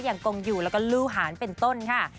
กงอยู่แล้วก็ลูหารเป็นต้นค่ะ